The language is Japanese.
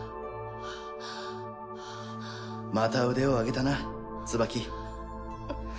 また腕を上げたなツバキ。